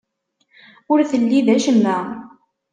Ur telli d acemma.